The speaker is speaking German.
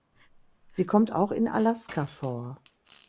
Sie kommt auch in Alaska vor.